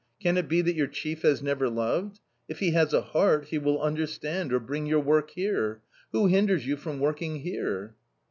Can it be that your chief has never loved ? If he has a heart, he will understand or bring your work here ; who hinders you from working here